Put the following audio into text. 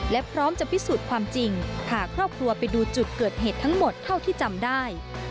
และพร้อมจะพิสูจน์ความจริงพาครอบครัวไปดูจุดเกิดเหตุทั้งหมดเท่าที่จำได้